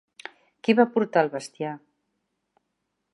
Qui va portar el bestiar?